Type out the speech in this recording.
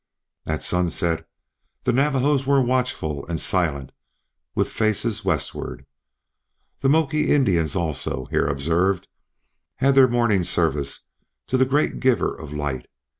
At sunset the Navajos were watchful and silent with faces westward. The Moki Indians also, Hare observed, had their morning service to the great giver of light.